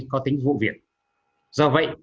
có tính vụ việc do vậy